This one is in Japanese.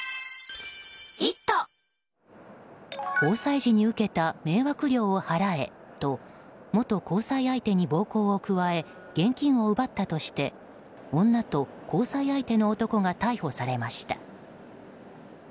交際時に受けた迷惑料を払えと元交際相手に暴行を加え現金を奪ったとして女と交際相手の男が逮捕されました。